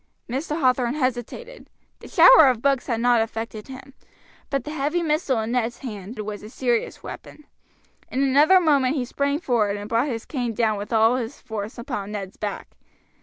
Mr. Hathorn hesitated. The shower of books had not affected him, but the heavy missile in Ned's hand was a serious weapon. In another moment he sprang forward and brought his cane down with all his force upon Ned's back.